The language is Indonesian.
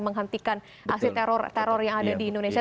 menghentikan aksi teror teror yang ada di indonesia